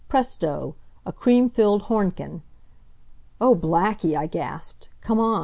Presto! A cream filled Hornchen! "Oh, Blackie!" I gasped. "Come on.